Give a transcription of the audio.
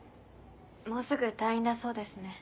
もうすぐ退院だそうですね。